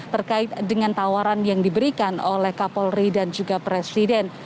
terkait dengan tawaran yang diberikan oleh kapolri dan juga presiden